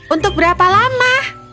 untuk berapa lama